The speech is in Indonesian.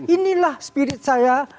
inilah spirit saya